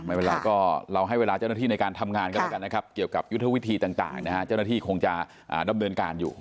ไม่เป็นไรก็เราให้เวลาเจ้าหน้าที่ในการทำงานกันแล้วกันนะครับเกี่ยวกับยุทธวิธีต่างนะฮะเจ้าหน้าที่คงจะดำเนินการอยู่